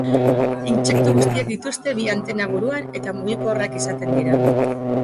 Intsektu guztiek dituzte bi antena buruan eta mugikorrak izaten dira.